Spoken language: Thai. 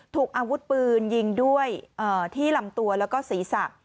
ถูกอาวุธปืนยิงด้วยที่ลำตัวแล้วก็ศีรษะ